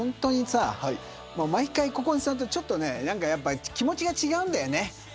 毎回ここに座ると気持ちが違うんだよね。